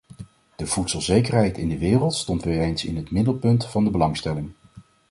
De voedselzekerheid in de wereld stond weer eens in het middelpunt van de belangstelling.